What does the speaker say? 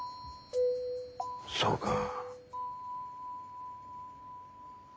そうか。